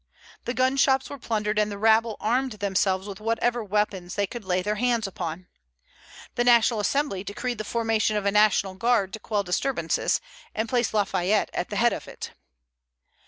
The gun shops were plundered, and the rabble armed themselves with whatever weapons they could lay their hands upon. The National Assembly decreed the formation of a national guard to quell disturbances, and placed Lafayette at the head of it.